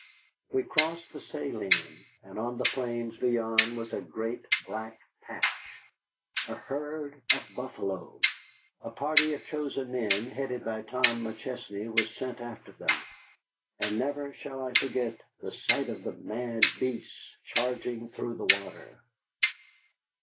We crossed the Saline, and on the plains beyond was a great black patch, a herd of buffalo. A party of chosen men headed by Tom McChesney was sent after them, and never shall I forget the sight of the mad beasts charging through the water.